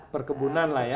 perkebunan lah ya